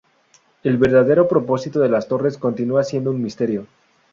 El verdadero propósito de las torres continúa siendo un misterio.